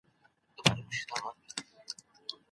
پر مځکي باندې ډېر خوندور او پاخه او سره انار پراته وو.